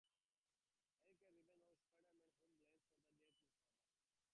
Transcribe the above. Harry craves revenge on Spider-Man, whom he blames for the death of his father.